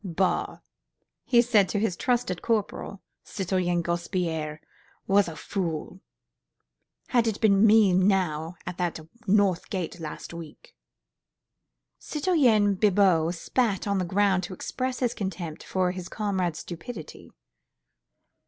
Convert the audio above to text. "Bah!" he said to his trusted corporal, "Citoyen Grospierre was a fool! Had it been me now, at that North Gate last week ..." Citoyen Bibot spat on the ground to express his contempt for his comrade's stupidity.